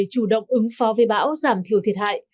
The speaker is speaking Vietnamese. ban chỉ đạo quốc gia ứng phó về bão giảm thiểu thiệt hại